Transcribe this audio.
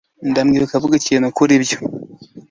Ndamwibuka avuga ikintu kuri ibyo.